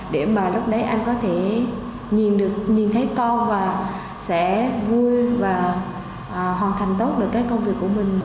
để mà lúc đấy anh có thể nhìn được nhìn thấy con và sẽ vui và hoàn thành tốt được cái công việc của mình